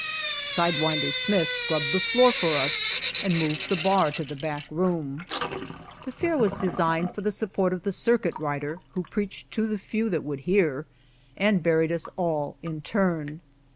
"Side Winder" Smith scrubbed the floor for us and moved the bar to the back room. The fair was designed for the support of ii6 JIMVILLE the circuit rider who preached to the few that would hear, and buried us all in turn.